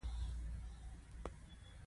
د ربړي تسمې په واسطه الکتروسکوپ بې چارجه کړئ.